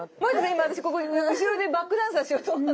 今私ここで後ろでバックダンサーしようと思ってた。